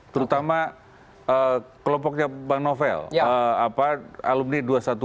terutama kelompoknya bang novel alumni dua ratus dua belas